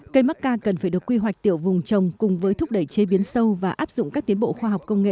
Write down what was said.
cây macca cần phải được quy hoạch tiểu vùng trồng cùng với thúc đẩy chế biến sâu và áp dụng các tiến bộ khoa học công nghệ